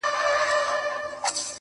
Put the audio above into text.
o دا څه ليونى دی بيـا يـې وويـل.